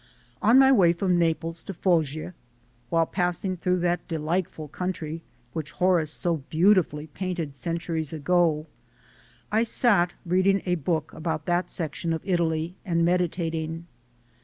On my way from Naples to Foggia, while passing through that delightful country which Horace so beautifully painted centuries ago, I sat reading a book about that section of Italy and meditating.